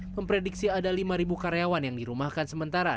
memprediksi ada lima karyawan yang dirumahkan sementara